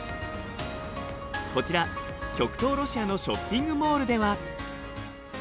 こちら極東ロシアのショッピングモールでは。